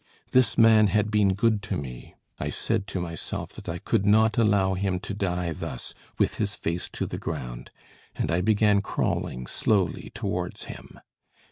This man had been good to me; I said to myself that I could not allow him to die thus, with his face to the ground, and I began crawling slowly towards him.